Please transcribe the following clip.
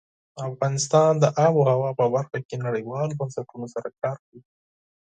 افغانستان د آب وهوا په برخه کې نړیوالو بنسټونو سره کار کوي.